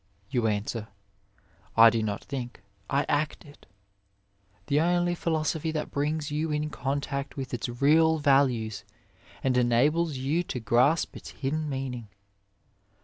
you answer, I do not think I act it; the only philosophy that brings you in contact with its real values and enables you to grasp its hidden meaning.